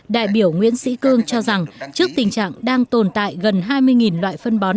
đại biểu nguyễn sĩ cương cho rằng trước tình trạng đang tồn tại gần hai mươi loại phân bón